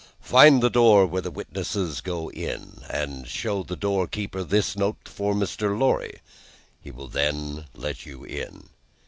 Find the door where the witnesses go in, and show the door keeper this note for Mr. Lorry. He will then let you in."